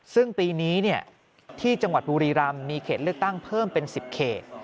ซึ่งปีนี้ที่จังหวัดบุรีรำมีเขตเลือกตั้งเพิ่มเป็น๑๐เขต